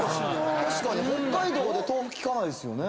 確かに北海道で豆腐聞かないですよね。